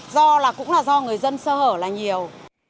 do là cũng là do người dân sơ hở là nhiều